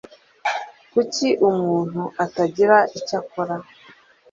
Kuki umuntu atagira icyo akora?